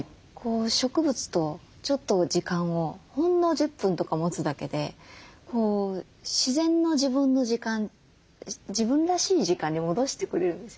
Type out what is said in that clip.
植物とちょっと時間をほんの１０分とか持つだけで自然の自分の時間自分らしい時間に戻してくれるんですよね。